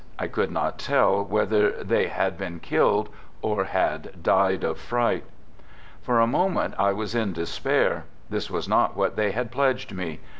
I could not tell whether they had been killed or had died of fright. ( For a moment I was in despair. This was not i what they had pledged me.